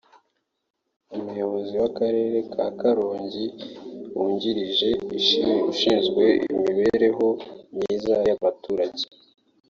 Umuyobozi w’Akarere ka Karongi Wungirije ushinzwe Imibereho Myiza y’Abturage